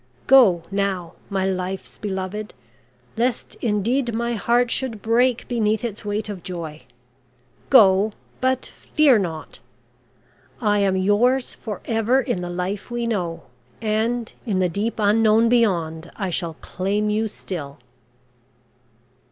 Go, now, my life's beloved, lest indeed my heart should break beneath its weight of joy! Go; but fear not. I am yours for ever in the life we know, and in the deep Unknown beyond I shall claim you still!"